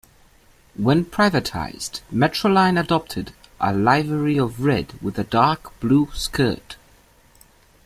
When privatised, Metroline adopted a livery of red with a dark blue skirt.